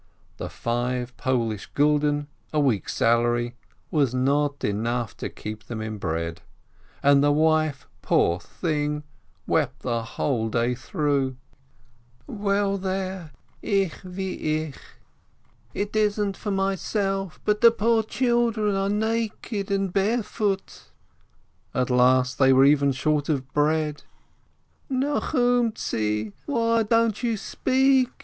The five Polish gulden a week salary was not enough to keep them in bread, and the wife, poor thing, wept the whole day through : "Well, there, ich wie ich, it isn't for myself — but the poor children are naked and barefoot." THE MISFORTUNE 19 At last they were even short of bread. "Nochumtzi ! Why don't you speak?"